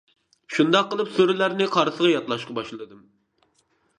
شۇنداق قىلىپ سۈرىلەرنى قارىسىغا يادلاشقا باشلىدىم.